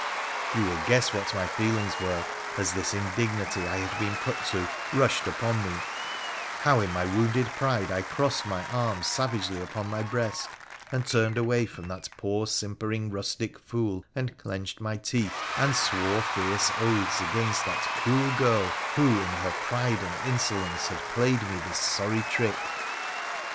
You will guess what my feelings were as this indignity I had been put to rushed upon me, how in my wounded pride I crossed my arms savagely upon my breast, and turned away from that poor, simpering, rustic fool, and clenched my teeth, and swore fierce oaths against that cruel girl who, in her pride and insolence, had played me this sorry trick.